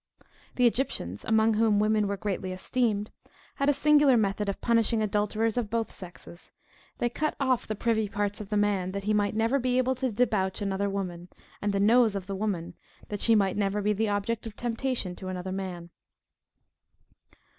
The Egyptians, among whom women were greatly esteemed, had a singular method of punishing adulterers of both sexes; they cut off the privy parts of the man, that he might never be able to debauch another woman; and the nose of the woman, that she might never be the object of temptation to another man.